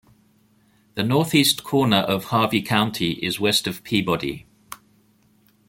The north-east corner of Harvey County is west of Peabody.